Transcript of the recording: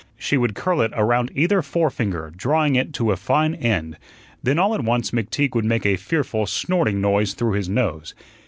She would curl it around either forefinger, drawing it to a fine end. Then all at once McTeague would make a fearful snorting noise through his nose.